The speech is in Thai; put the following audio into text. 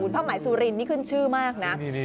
ผ้าไหมสุรินนี่ขึ้นชื่อมากนะ